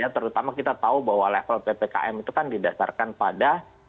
terutama kita tahu bahwa level ppkm itu kan didasarkan pada